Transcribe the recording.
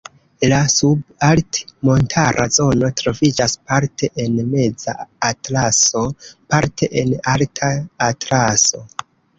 La sub-alt-montara zono troviĝas parte en Meza Atlaso, parte en Alta Atlaso.